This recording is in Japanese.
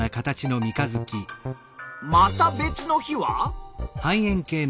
また別の日は？